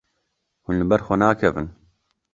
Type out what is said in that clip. Hûn li ber xwe nakevin.